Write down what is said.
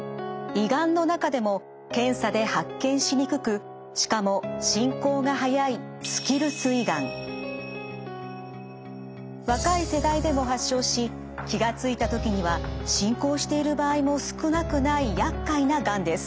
胃がんの中でも検査で発見しにくくしかも進行が速い若い世代でも発症し気が付いた時には進行している場合も少なくないやっかいながんです。